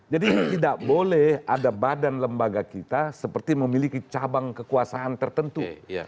jadi tidak boleh ada badan lembaga kita seperti memiliki cabang kekuasaan tertentu